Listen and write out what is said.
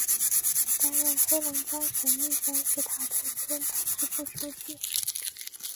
担任黑龙江省密山市塔头村党支部书记。